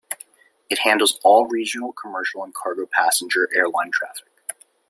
It handles all regional commercial and cargo passenger airline traffic.